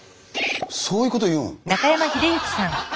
そういうこと言うん？